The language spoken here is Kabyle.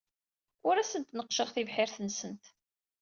Ur asent-neqqceɣ tibḥirt-nsent.